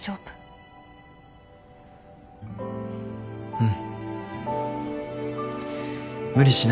うん。